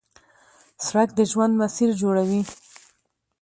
سړک د ژوند مسیر جوړوي.